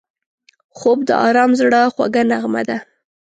خوب د آرام زړه خوږه نغمه ده